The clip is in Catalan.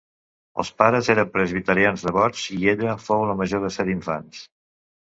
Els pares eres presbiterians devots i ella fou la major de set infants.